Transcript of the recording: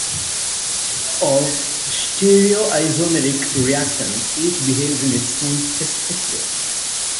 Of stereoisomeric reactants, each behaves in its own "specific" way.